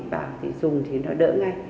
và dùng thì nó đỡ ngay